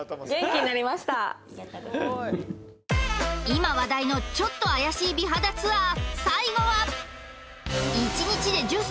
今話題のちょっと怪しい美肌ツアー